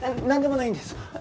なんでもないんです。